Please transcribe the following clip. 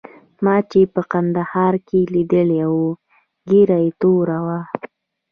ما چې په کندهار کې لیدلی وو ږیره یې توره وه.